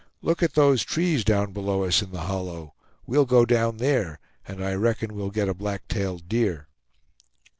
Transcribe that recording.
Look at those trees down below us in the hollow; we'll go down there, and I reckon we'll get a black tailed deer."